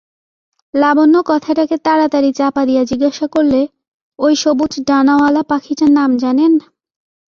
লাবণ্য কথাটাকে তাড়াতাড়ি চাপা দিয়ে জিজ্ঞাসা করলে, ঐ সবুজ ডানাওয়ালা পাখিটার নাম জানেন?